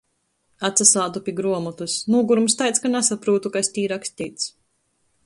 Atsasādu pi gruomotys. Nūgurums taids, ka nasaprūtu, kas tī raksteits.